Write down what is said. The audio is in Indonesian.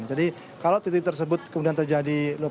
jadi kalau titik titik tersebut kemudian terjadi lupa